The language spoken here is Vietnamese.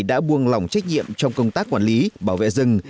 đã buông lỏng trách nhiệm trong công tác quản lý bảo vệ rừng